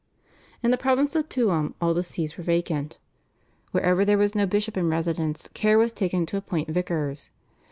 In the province of Tuam all the Sees were vacant. Wherever there was no bishop in residence care was taken to appoint vicars.